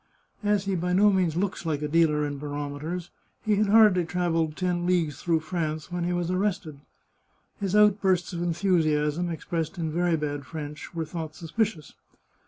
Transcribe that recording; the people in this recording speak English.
As he by no means looks like a dealer in barometers, he had hardly trav elled ten leagues through France when he was arrested. His outbursts of enthusiasm, expressed in very bad French, were thought suspicious.